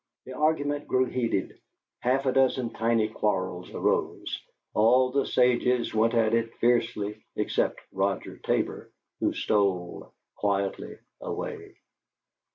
The "argument" grew heated; half a dozen tidy quarrels arose; all the sages went at it fiercely, except Roger Tabor, who stole quietly away.